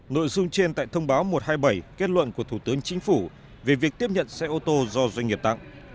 nội dung trên tại thông báo một trăm hai mươi bảy kết luận của thủ tướng chính phủ về việc tiếp nhận xe ô tô do doanh nghiệp tặng